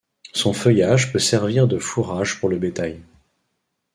Son feuillage peut servir de fourrage pour le bétail.